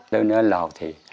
đến nữa lào thì